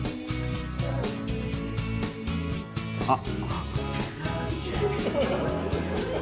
あっ！